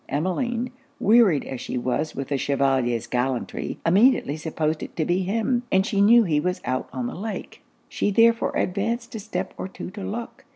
Emmeline, wearied as she was with the Chevalier's gallantry, immediately supposed it to be him, and she knew he was out on the lake. She therefore advanced a step or two to look.